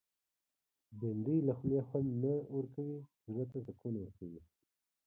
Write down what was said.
بېنډۍ له خولې خوند نه ورکوي، زړه ته سکون ورکوي